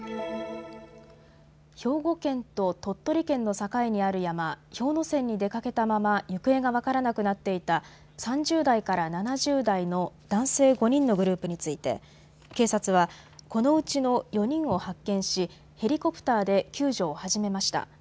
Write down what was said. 兵庫県と鳥取県の境にある山、氷ノ山に出かけたまま行方が分からなくなっていた３０代から７０代の男性５人のグループについて警察は、このうちの４人を発見しヘリコプターで救助を始めました。